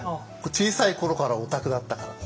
小さい頃からオタクだったからで。